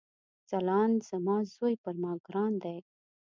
ځلاند زما ځوي پر ما ګران دی